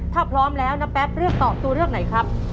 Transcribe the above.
ถ้าพร้อมแล้วน้าแป๊บเลือกตอบตัวเลือกไหนครับ